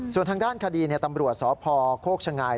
ส่วนทางด้านคดีเนี่ยตำรวจสอบพ่อโฆกชะงาย